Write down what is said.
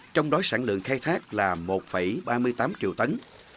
trong đó sản lượng khai thác là một ba mươi tám triệu tấn